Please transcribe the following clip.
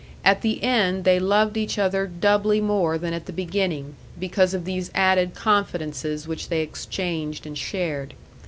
At the end they loved each other doubly more than at the beginning, because of these added confidences which they exchanged and shared.